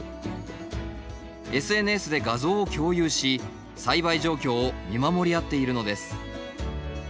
ＳＮＳで映像を共有し栽培状況を見守り合っているのです。